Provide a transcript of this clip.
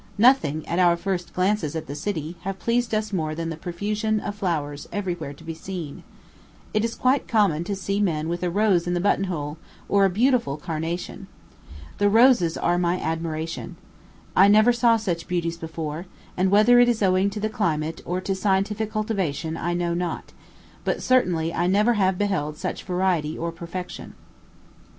Nothing, at our first glances at the city, have pleased us more than the profusion of flowers every where to be seen. It is quite common to see men with a rose in the button hole, or a beautiful carnation. The roses are my admiration. I never saw such beauties before; and whether it is owing to the climate, or to scientific cultivation, I know not, but certainly I never have beheld such variety or perfection.